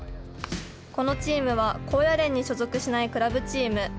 このチームは高野連に所属しないクラブチーム。